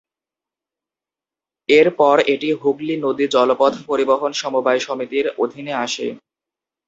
এর পর এটি "হুগলি নদী জলপথ পরিবহণ সমবায় সমিতি"র অধীনে আসে।